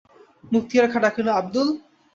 মুক্তিয়ার খাঁ ডাকিল, আবদুল।